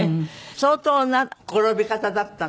相当な転び方だったの？